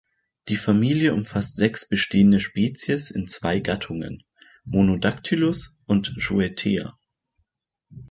Die Familie umfasst sechs bestehende Spezies in zwei Gattungen, „Monodactylus“ und „Schuettea“.